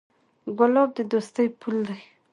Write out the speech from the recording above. ګلاب د دوستۍ پُل دی.